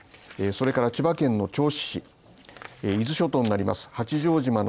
それから千葉県の銚子伊豆諸島になります。